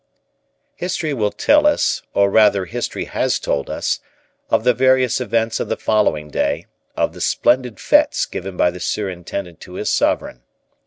History will tell us, or rather history has told us, of the various events of the following day, of the splendid fetes given by the surintendant to his sovereign.